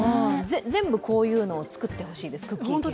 全部こういうのを作ってほしいです、クッキー系。